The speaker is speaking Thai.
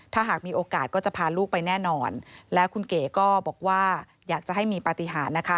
ถ้าหากมีโอกาสก็จะพาลูกไปแน่นอนแล้วคุณเก๋ก็บอกว่าอยากจะให้มีปฏิหารนะคะ